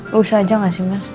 lusa aja gak sih mas